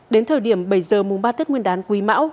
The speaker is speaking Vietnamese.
đến thời điểm bảy giờ mùng ba tết nguyên đán quý mão